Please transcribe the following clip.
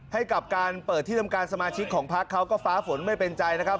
ให้กับการเปิดที่ทำการสมาชิกของพักเขาก็ฟ้าฝนไม่เป็นใจนะครับ